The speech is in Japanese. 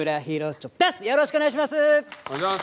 よろしくお願いします！